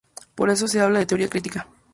Por eso se habla de Teoría Crítica.